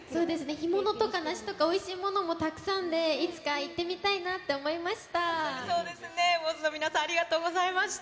干物とか梨とかおいしいものもたくさんで、いつか行ってみたいなって思いました。